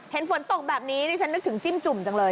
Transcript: เห็นฝนตกแบบนี้นี่ฉันนึกถึงจิ้มจุ่มจังเลย